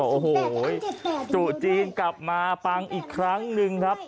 โอ้โหตรุษจีนกลับมาปังอีกครั้งหนึ่งครับ